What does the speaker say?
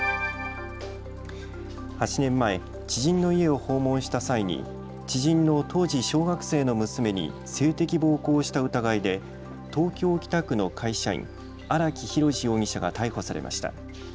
８年前、知人の家を訪問した際に知人の当時小学生の娘に性的暴行をした疑いで東京北区の会社員、荒木博路容疑者が逮捕されました。